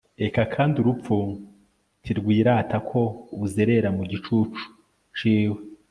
eka kandi urupfu ntirwirata ko uzerera mu gicucu ciwe